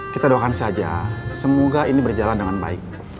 kita doakan saja semoga ini berjalan dengan baik